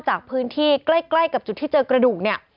จากพื้นที่ใกล้กับจุดที่เจอกระดูกเนี่ย